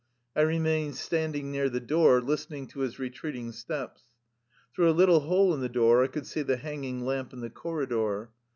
I remained standing near the door, listening to his retreating steps. Through a little hole in the door I could see the hanging lamp in the corridor.